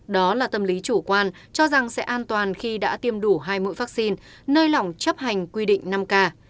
đó là tâm lý chủ quan cho rằng sẽ an toàn khi đã tiêm đủ hai mũi vaccine nơi lỏng chấp hành quy định năm k